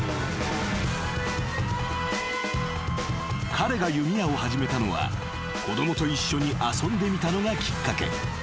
［彼が弓矢を始めたのは子供と一緒に遊んでみたのがきっかけ］